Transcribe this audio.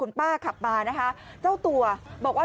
โรดเจ้าเจ้าเจ้าเจ้าเจ้าเจ้าเจ้าเจ้าเจ้าเจ้าเจ้า